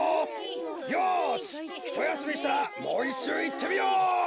よしひとやすみしたらもういっしゅういってみよう！